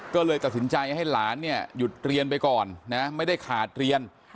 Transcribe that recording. ก็เลยตัดสินใจให้หลานเนี่ยหยุดเรียนไปก่อนนะไม่ได้ขาดเรียน